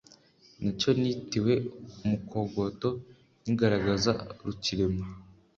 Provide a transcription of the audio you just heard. Ni cyo nitiwe umukogoto nkigaragaza rukirema